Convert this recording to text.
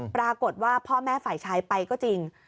ปรากฏว่าพ่อแม่ฝ่ายชายไปก็จริง